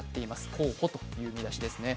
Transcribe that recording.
候補という見出しですね。